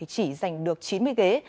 chỉ giành được chín mươi ghế